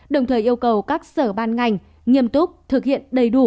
đồng thời yêu cầu các sở ban ngành nghiêm túc thực hiện đầy đủ